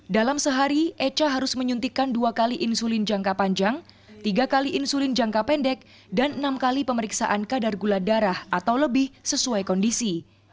dalam sehari echa harus menyuntikkan dua kali insulin jangka panjang tiga kali insulin jangka pendek dan enam kali pemeriksaan kadar gula darah atau lebih sesuai kondisi